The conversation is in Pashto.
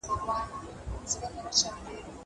زه هره ورځ بازار ته ځم.